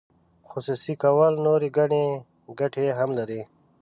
خصوصي کول نورې ګڼې ګټې هم لري.